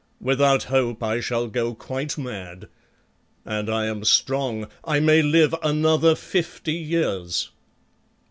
Without hope I shall go quite mad. And I am strong, I may live another fifty years."